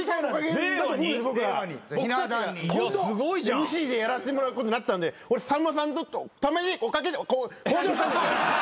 ＭＣでやらせてもらうことなったんで俺さんまさんためにおかげで向上。